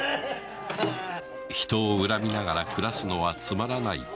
人を恨みながら暮らすのはつまらないことだ